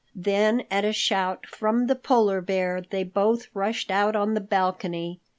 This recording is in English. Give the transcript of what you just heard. Then at a shout from the Polar Bear they both rushed out on the balcony.